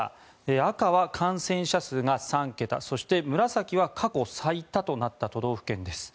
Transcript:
赤は感染者数が３桁そして、紫は過去最多となった都道府県です。